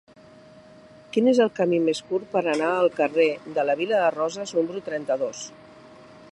Quin és el camí més curt per anar al carrer de la Vila de Roses número trenta-dos?